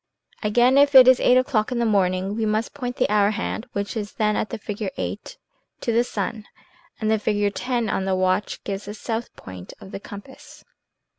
Again, if it is eight o'clock in the morning, we must point the hour hand (which is then at the figure VIII) to the sun, and the figure X on the watch gives the south point of the compass.